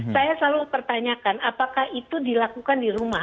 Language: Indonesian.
saya selalu pertanyakan apakah itu dilakukan di rumah